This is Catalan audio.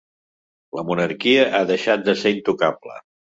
La monarquia ha deixat de ser intocable.